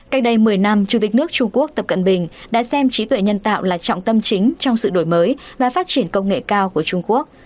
cách đây một mươi năm chủ tịch nước trung quốc tập cận bình đã xem trí tuệ nhân tạo là trọng tâm chính trong sự đổi mới và phát triển công nghệ cao của trung quốc